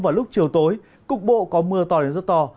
vào lúc chiều tối cục bộ có mưa to đến rất to